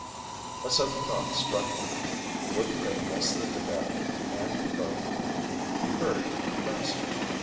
A sudden thought struck him. Wouldn't they miss the Tibetan and the boat? He hurried faster.